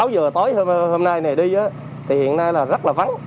sáu h tối hôm nay này đi thì hiện nay là rất là vắng